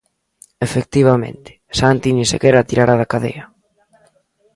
Efectivamente, Santi nin sequera tirara da cadea.